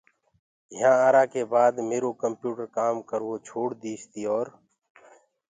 يهآنٚ آرآ ڪي بآد ميرو ڪمپِيوٽر ڪآم ڪروو ڇوڙديٚس تي اورَ